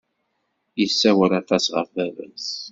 Yessawal aṭas ɣef baba-s.